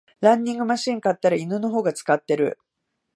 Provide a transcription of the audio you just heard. ランニングマシン買ったら犬の方が使ってる